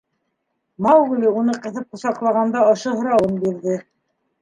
— Маугли уны ҡыҫып ҡосаҡлағанда ошо һорауын бирҙе.